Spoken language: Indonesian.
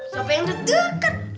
siapa yang dekat